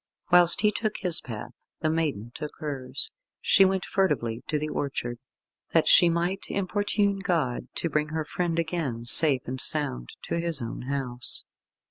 Whilst he took his path the maiden took hers. She went furtively to the orchard, that she might importune God to bring her friend again, safe and sound to his own house.